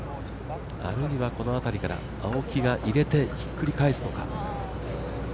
あるいはこのあたりから青木が入れてひっくり返すのか。